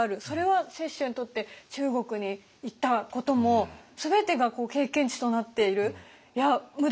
それは雪舟にとって中国に行ったことも全てが経験値となっている。